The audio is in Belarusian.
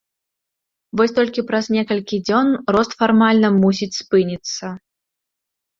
Вось толькі праз некалькі дзён рост фармальна мусіць спыніцца.